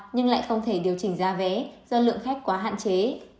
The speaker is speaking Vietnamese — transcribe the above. nhưng lại không thể điều chỉnh giá vé do lượng khách quá hạn chế